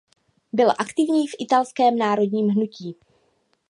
Byl aktivní v italském národním hnutí.